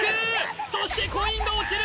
そしてコインが落ちる！